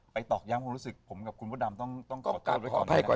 ไปตอบยังผมรู้สึกผมกับคุณพ่อดำต้องตอบไปก่อนนะครับ